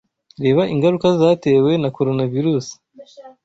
Reba ingaruka zatewe na Coronavirus.